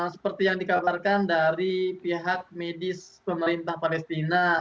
seperti yang dikabarkan dari pihak medis pemerintah palestina